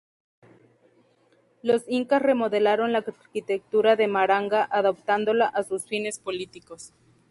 Los incas remodelaron la arquitectura de Maranga, adaptándola a sus fines políticos.